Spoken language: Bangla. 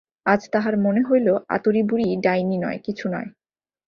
আজ তাহার মনে হইল আতুরী বুড়ি ডাইনি নয়, কিছু নয়।